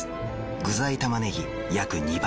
具材たまねぎ約２倍。